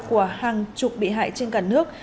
của hàng chục bị hại trên cả nước